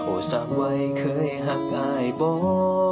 โอ้สักวัยเคยหักอ้ายบอก